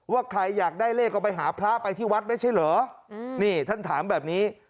ใครอยากได้เลขก็ไปหาพระไปที่วัดไม่ใช่เหรอนี่ท่านถามแบบนี้